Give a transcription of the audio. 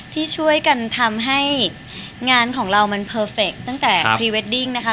ที่ช่วยกันทำให้งานของเรามันเพอร์เฟคตั้งแต่พรีเวดดิ้งนะคะ